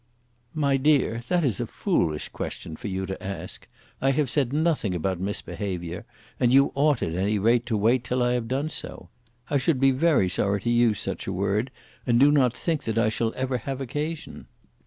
"My dear, that is a foolish question for you to ask. I have said nothing about misbehaviour, and you ought, at any rate, to wait till I have done so. I should be very sorry to use such a word, and do not think that I shall ever have occasion.